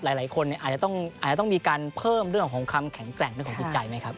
หลายคนอาจจะต้องมีการเพิ่มเรื่องของความแข็งแกร่งเรื่องของจิตใจไหมครับ